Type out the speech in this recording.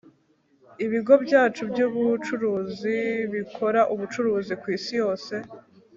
ibigo byacu byubucuruzi bikora ubucuruzi kwisi yose